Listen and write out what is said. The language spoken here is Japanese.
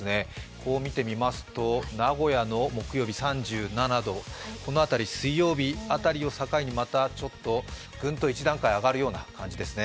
こう見てみますと、名古屋の木曜日３７度、水曜日辺りを境にまたグンと一段階上がるような感じですね。